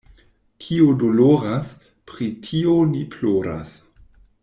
Kio doloras, pri tio ni ploras.